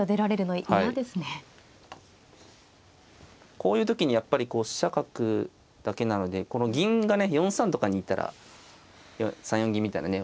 こういう時にやっぱりこう飛車角だけなのでこの銀がね４三とかにいたら３四銀みたいなね